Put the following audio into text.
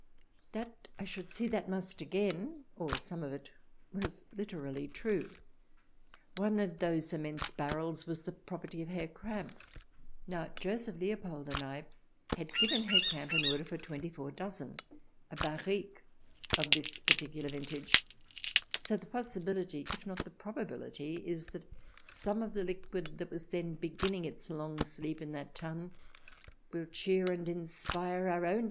That I should see that must again, or some of it, was literally true. One of those immense barrels was the property of Herr Kramp. Now, Joseph Leopold and I had given Herr Kramp an order for twenty four dozen — a barrique — of this particular vintage, so the possibility, if not the probability, is that some of the liquid that was then beginning its long sleep in that tun will cheer and inspire our own 3i8 THE DESIRABLE ALIEN [ch.